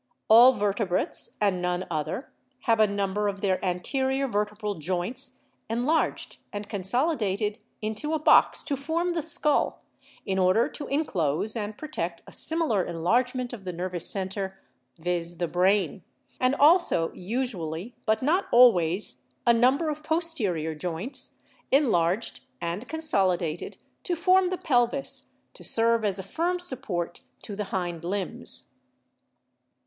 "All vertebrates, and none other, have a number of their anterior vertebral joints enlarged and consolidated into a box to form the skull, in order to inclose and protect a similar enlargement of the nervous center, viz., the brain ; and also usually, but not always, a number of posterior joints, enlarged and consolidated to form the pelvis, to serve as a firm support to the hind limbs.